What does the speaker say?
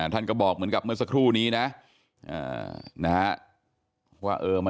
ท่านก็บอกเหมือนกับเมื่อสักครู่นี้นะว่า